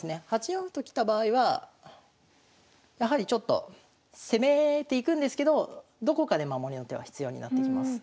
８四歩ときた場合はやはりちょっと攻めていくんですけどどこかで守りの手は必要になってきます。